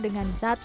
dengan sang kakek